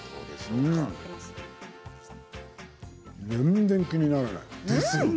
全然気にならない。ですよね。